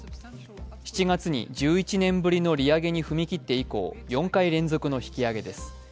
７月に１１年ぶりの利上げに踏み切って以降４回連続の引き上げです。